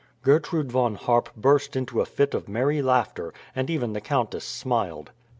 Gertrude Von Harp burst into a fit of merry laughter, and even the countess smiled.